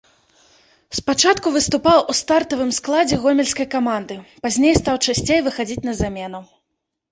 Спачатку выступаў у стартавым складзе гомельскай каманды, пазней стаў часцей выхадзіць на замену.